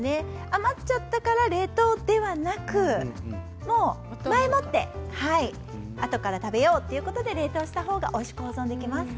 余っちゃったから冷凍ではなく前もってあとから食べようということで冷凍したほうがおいしく保存できます。